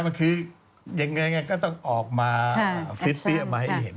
เมื่อกี้อย่างไรก็ต้องออกมาฟิสเตียร์มาให้เห็น